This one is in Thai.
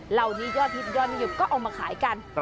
เหล่านี้ยอดฮิตยอดไม่หยุดก็เอามาขายกัน